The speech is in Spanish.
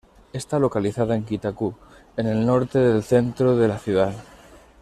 Está localizada en Kita-ku, en el norte del centro de la ciudad.